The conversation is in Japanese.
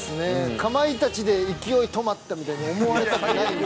かまいたちで勢い止まったみたいに思われたくないので。